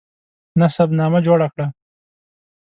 نسب نامه جوړه کړه.